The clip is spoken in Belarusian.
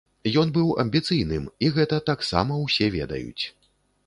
Ён быў амбіцыйным, і гэта таксама ўсе ведаюць.